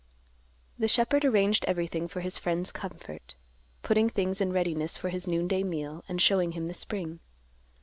The shepherd arranged everything for his friend's comfort, putting things in readiness for his noonday meal, and showing him the spring.